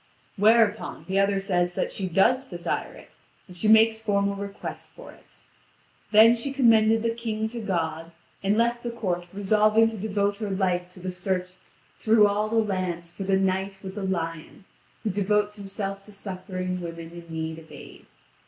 Whereupon, the other says that she does desire it, and she makes formal request for it. Then she commended the King to God, and left the court resolving to devote her life to the search through all the land for the Knight with the Lion, who devotes himself to succouring women in need of aid.